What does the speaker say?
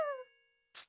きた！